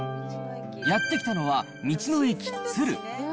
やって来たのは、道の駅つる。